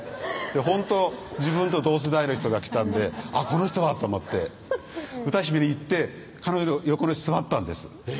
ほんと自分と同世代の人が来たんでこの人はと思って歌姫に行って彼女の横に座ったんです